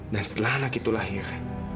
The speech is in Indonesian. dan setelah anak itu lahir